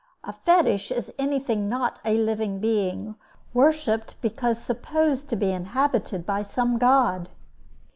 A Fetish is anything not a living being, worshiped because supposed to be inhabited by some god.